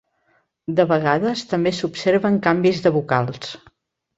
De vegades també s'observen canvis de vocals.